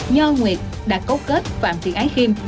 nho nguyệt đã cấu kết phạm thị ái khiêm